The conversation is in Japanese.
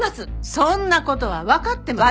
そんな事はわかってます。